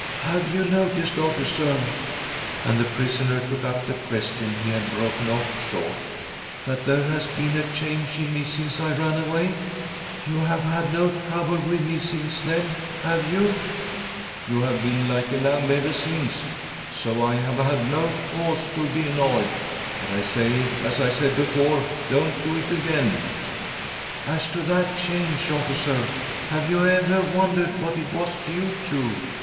" Have you noticed, officer," and the prisoner took up the question he had broken off short, " that there has been a change in me since I ran away? ■..■ i .:*~ v. ■—•■■■■% I j ■• THE STRUGGLE OF A SOUL 145 You have had no trouble with me since then, have you?" " You have been like a lamb ever since, so I have had no cause to be annoyed ; but I say, as I said before, don't do it again." ' "As to that change, officer, have you ever wondered what it was due to